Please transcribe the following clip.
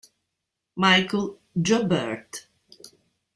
Michel Joubert